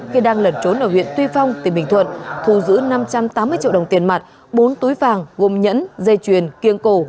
khi đang lẩn trốn ở huyện tuy phong tỉnh bình thuận thu giữ năm trăm tám mươi triệu đồng tiền mặt bốn túi vàng gồm nhẫn dây chuyền kiêng cổ